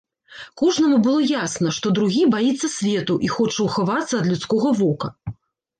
Кожнаму было ясна, што другі баіцца свету і хоча ўхавацца ад людскога вока.